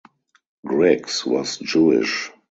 Griggs was Jewish.